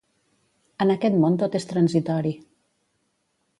En aquest món tot és transitori.